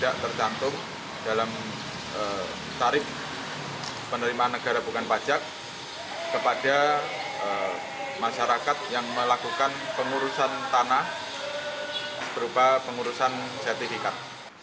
tidak tercantum dalam tarif penerimaan negara bukan pajak kepada masyarakat yang melakukan pengurusan tanah berupa pengurusan sertifikat